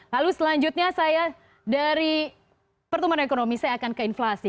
lalu selanjutnya saya dari pertumbuhan ekonomi saya akan ke inflasi